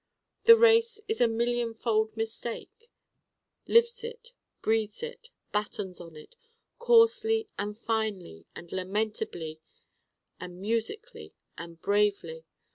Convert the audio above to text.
The race is a millionfold Mistake: lives it, breathes it, battens on it coarsely and finely and lamentably and musically and bravely.